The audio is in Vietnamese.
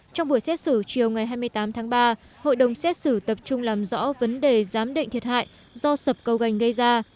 trong buổi xét xử chiều ngày hai mươi tám tháng ba hội đồng xét xử tập trung làm rõ vấn đề giám định thiệt hại do sập cầu gành gây ra